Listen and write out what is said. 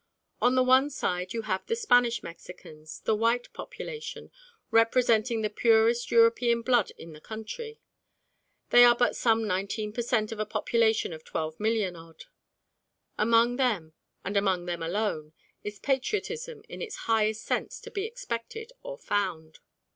On the one side you have the Spanish Mexicans, the white population, representing the purest European blood in the country. They are but some 19 per cent. of a population of twelve million odd. Among them, and among them alone, is patriotism in its highest sense to be expected or found.